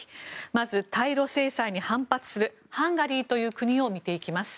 まず、対ロ制裁に反発するハンガリーという国を見ていきます。